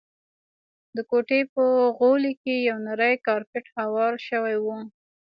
د کوټې په غولي کي یو نری کارپېټ هوار شوی وو.